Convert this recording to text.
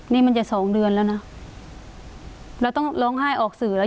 นี่มันจะสองเดือนแล้วนะเราต้องร้องไห้ออกสื่อแล้ว